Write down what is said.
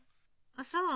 あっそう。